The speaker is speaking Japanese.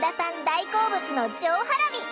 大好物の上ハラミ。